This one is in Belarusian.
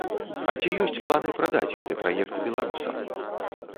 А ці ёсць планы прадаць гэты праект беларусам?